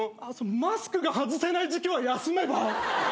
マスクが外せない時期は休めば？